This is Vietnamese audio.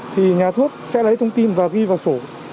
thì nhà thuốc sẽ lấy thông tin và ghi vào sổ